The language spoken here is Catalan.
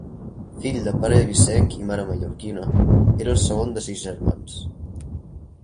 Fill de pare eivissenc i mare mallorquina, era el segon de sis germans.